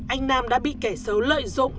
anh nam đã bị kẻ xấu lợi dụng